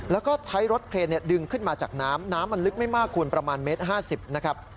แล้วก็ใช้รถเครนดึงขึ้นมาจากน้ำน้ำมันลึกไม่มากคุณประมาณเมตร๕๐นะครับ